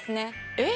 えっ？